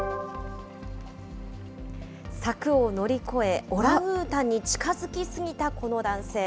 柵を乗り越え、オランウータンに近づきすぎたこの男性。